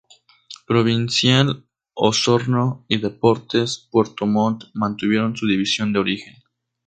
Provincial Osorno y Deportes Puerto Montt mantuvieron su división de origen.